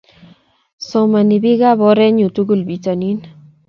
Somonik biikab orenyu tugul bitonin.